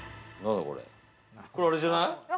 これあれじゃない？